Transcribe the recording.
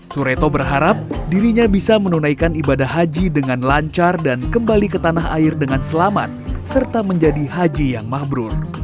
sureto berharap dirinya bisa menunaikan ibadah haji dengan lancar dan kembali ke tanah air dengan selamat serta menjadi haji yang mabrur